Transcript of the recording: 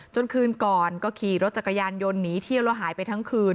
คืนก่อนก็ขี่รถจักรยานยนต์หนีเที่ยวแล้วหายไปทั้งคืน